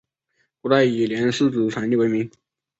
古代以连四纸产地闻名。